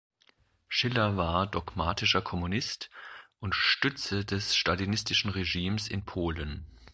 Schiller war dogmatischer Kommunist und Stütze des stalinistischen Regimes in Polen.